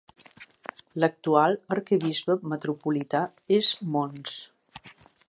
L'actual arquebisbe metropolità és Mons.